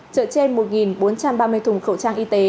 chở trên một bốn trăm ba mươi thùng khẩu trang y tế